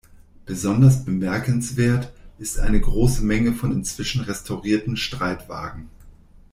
Besonders bemerkenswert ist eine große Menge von inzwischen restaurierten Streitwagen.